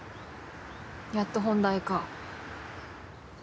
やっと本題か。